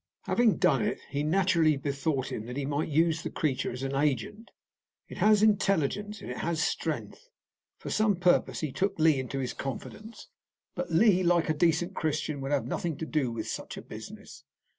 Having done it, he naturally bethought him that he might use the creature as an agent. It has intelligence and it has strength. For some purpose he took Lee into his confidence; but Lee, like a decent Christian, would have nothing to do with such a business.